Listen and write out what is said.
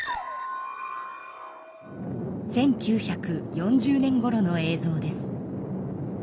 １９４０年ごろの映像です。